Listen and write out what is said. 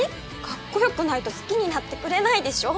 かっこよくないと好きになってくれないでしょ？